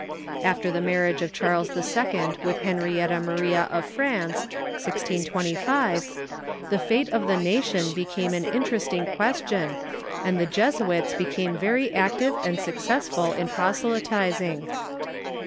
Alter the marriage of Charles I. with Henrietta Maria of France (16i!5), the fate of the nation became an interesting question, and tlie Jesuits became very active and successful in j)roselyting.